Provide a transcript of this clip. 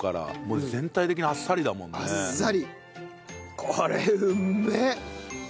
これうめえ。